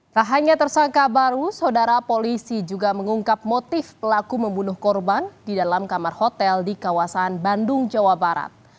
tak hanya tersangka baru saudara polisi juga mengungkap motif pelaku membunuh korban di dalam kamar hotel di kawasan bandung jawa barat